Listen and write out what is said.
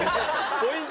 ポイント